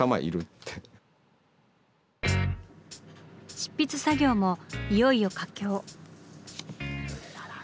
執筆作業もいよいよ佳境。